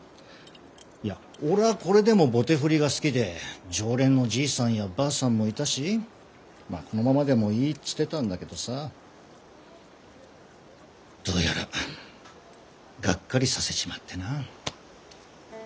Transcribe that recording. いや俺はこれでも棒手振が好きで常連のじいさんやばあさんもいたしまあこのままでもいいっつってたんだけどさどうやらがっかりさせちまってな。